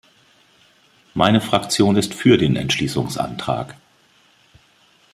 Meine Fraktion ist für den Entschließungsantrag.